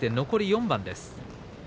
残り４番です。